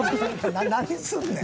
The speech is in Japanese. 何すんねん？